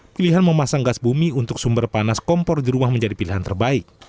pilihan memasang gas bumi untuk sumber panas kompor di rumah menjadi pilihan terbaik